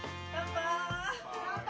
乾杯！